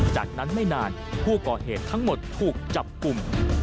จากนั้นไม่นานผู้ก่อเหตุทั้งหมดถูกจับกลุ่ม